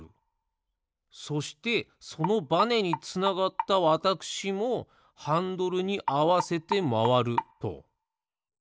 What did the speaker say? そしてそのバネにつながったわたくしもハンドルにあわせてまわると。